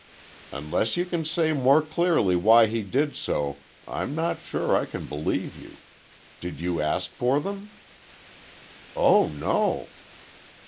"Unless you can say more clearly why he did so I'm not sure I can believe you. Did you ask for them?" "Oh, no!"